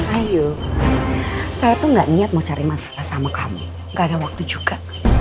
ayo saya tuh gak niat mau cari masalah sama kamu gak ada waktu juga